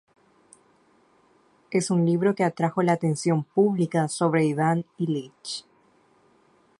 Es un libro que atrajo la atención pública sobre Ivan Illich.